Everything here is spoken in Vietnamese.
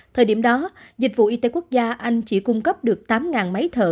thời điểm đó dịch vụ y tế quốc gia anh chỉ cung cấp được tám máy thở